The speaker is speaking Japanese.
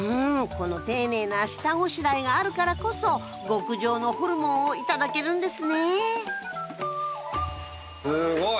この丁寧な下ごしらえがあるからこそ極上のホルモンを頂けるんですねすごい！